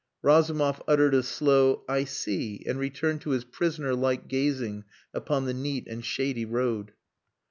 Razumov uttered a slow "I see," and returned to his prisoner like gazing upon the neat and shady road.